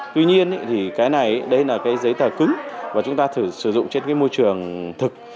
tuy nhiên thì cái này đấy là cái giấy tờ cứng và chúng ta thử sử dụng trên môi trường thực